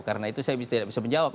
karena itu saya tidak bisa menjawab